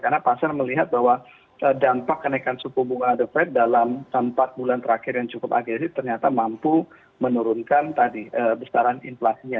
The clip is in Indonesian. karena pasar melihat bahwa dampak kenaikan suku bunga ada dalam empat bulan terakhir yang cukup agresif ternyata mampu menurunkan tadi besaran inflasinya